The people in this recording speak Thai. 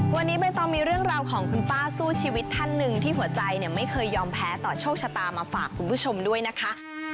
วันนี้ใบตองมีเรื่องราวของคุณป้าสู้ชีวิตท่านหนึ่งที่หัวใจเนี่ยไม่เคยยอมแพ้ต่อโชคชะตามาฝากคุณผู้ชมด้วยนะคะ